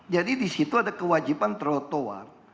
jadi disitu ada kewajiban trotuar